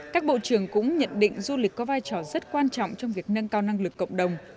các bộ trưởng cũng nhận định du lịch có vai trò rất quan trọng trong việc nâng cao năng lực cộng đồng